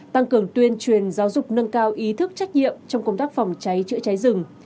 tăng cường tuyên truyền giáo dục nâng cao ý thức trách nhiệm trong công tác phòng cháy chữa cháy rừng